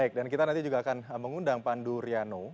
baik dan kita nanti juga akan mengundang pandu riano